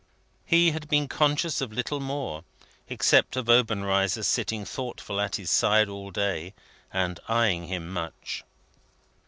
He had been conscious of little more, except of Obenreizer sitting thoughtful at his side all day, and eyeing him much.